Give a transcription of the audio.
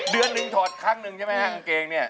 เดือนหนึ่งถอดครั้งหนึ่งใช่ไหมฮะกางเกงเนี่ย